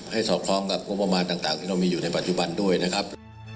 ให้สอบพร้อมกับประมาณต่างที่มันมีอยู่ในปัจจุบันด้วยนะครับ